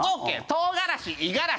唐辛子五十嵐」